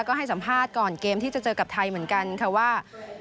ก็ให้สัมภาษณ์ก่อนเกมที่จะเจอกับไทยเหมือนกันค่ะว่า